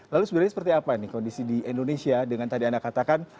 lalu sebenarnya seperti apa kondisi di indonesia dengan tadi anda katakan